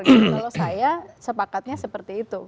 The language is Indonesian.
kalau saya sepakatnya seperti itu